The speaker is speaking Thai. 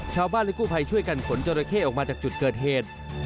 ชาวบ้านและกู้ภัยช่วยกันขนจราเข้ออกมาจากจุดเกิดเหตุ